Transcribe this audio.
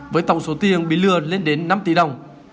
với tổng số tiền bị lừa lên đến năm tỷ đồng